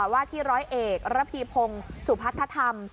ว่าที่ร้อยเอกระพีพงศ์สุพัฒนธรรม